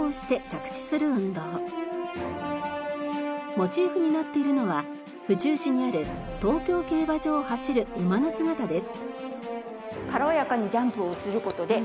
モチーフになっているのは府中市にある東京競馬場を走る馬の姿です。